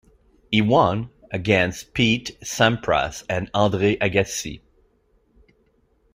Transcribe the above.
He won against Pete Sampras and Andre Agassi.